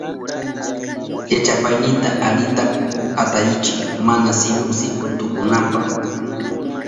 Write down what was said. Llachapaynita alita patarichiy mana sipu sipu tukunanpa.